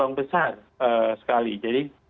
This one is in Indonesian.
yang besar sekali jadi